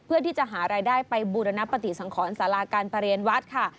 เพื่อที่จะหารายได้ไปบูรณปฏิสังขรสาราการประเรียนวัดค่ะ